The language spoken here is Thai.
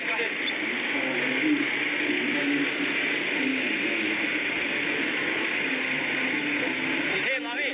แล้วท้ายที่สุดก็ชักเกรงหมดสติอยู่